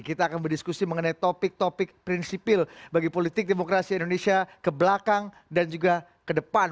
kita akan berdiskusi mengenai topik topik prinsipil bagi politik demokrasi indonesia ke belakang dan juga ke depan